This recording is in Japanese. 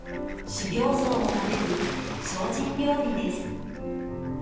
修行僧も食べる精進料理です。